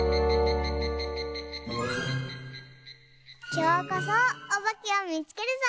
きょうこそおばけをみつけるぞ！